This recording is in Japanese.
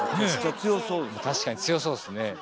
確かに強そうですね。